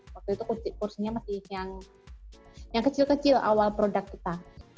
waktu itu porsinya masih yang kecil kecil awal produk kita